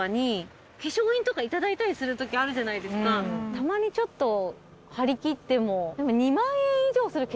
たまにちょっと張り切っても。